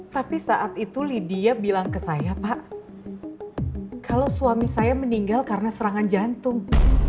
tapi saat itu lydia bilang ke saya pak kalau suami saya meninggal karena serangan jantung